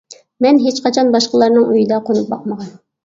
مەن ھېچقاچان باشقىلارنىڭ ئۆيىدە قونۇپ باقمىغان.